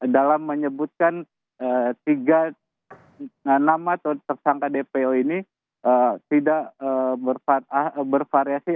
dalam menyebutkan tiga nama atau tersangka dpo ini tidak bervariasi